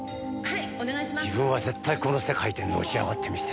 自分は絶対この世界でのし上がってみせる。